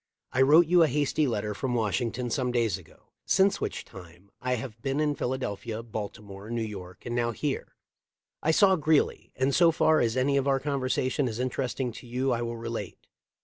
I wrote you a hasty letter from Washington some days ago, since which time I have been in Philadelphia, Baltimore, New York, and now here. I saw Greeley, and so far as any of our conversation is interesting to you I will relate.